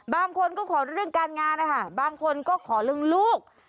บางคนก็ขอเรื่องการงานนะคะบางคนก็ขอเรื่องลูก